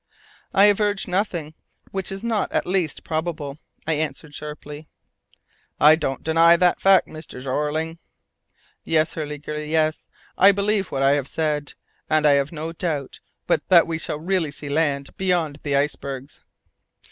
"I have urged nothing which is not at least probable," I answered sharply. "I don't deny that fact, Mr. Jeorling." "Yes, Hurliguerly, yes I believe what I have said, and I have no doubt but that we shall really see the land beyond the icebergs."